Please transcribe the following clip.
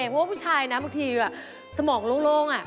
เพราะว่าผู้ชายนะบางทีสมองโล่ง